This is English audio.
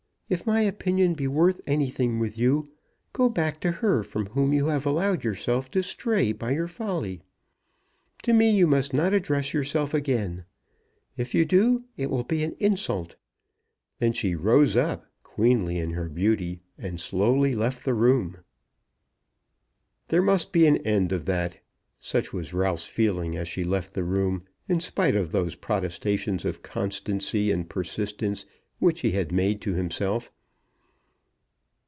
If my opinion be worth anything with you, go back to her from whom you have allowed yourself to stray in your folly. To me you must not address yourself again. If you do, it will be an insult." Then she rose up, queenly in her beauty, and slowly left the room. There must be an end of that. Such was Ralph's feeling as she left the room, in spite of those protestations of constancy and persistence which he had made to himself.